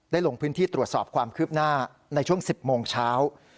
ลงพื้นที่ตรวจสอบความคืบหน้าในช่วง๑๐โมงเช้า